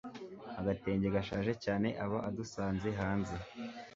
agatenge gashaje cyane aba adusanze hanze